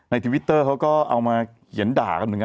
เนี่ยจริง